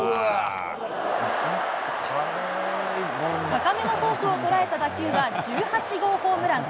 高めのコースを捉えた打球は１８号ホームラン。